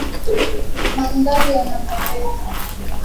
Mandhari yanapendeza.